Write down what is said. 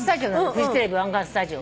フジテレビ湾岸スタジオ。